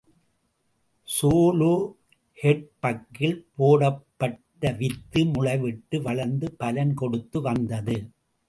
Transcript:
ஸோலோஹெட்பக்கில் போடப்பட்ட வித்து முளைவிட்டு வளர்ந்து பலன் கொடுத்து வந்தது.